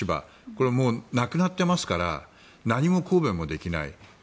これはもう亡くなってますから何も抗弁もできない。